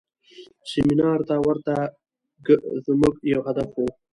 سیمینار ته ورتګ زموږ یو هدف و.